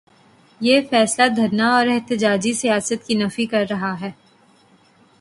یہ فیصلہ دھرنا اور احتجاجی سیاست کی نفی کر رہا ہے۔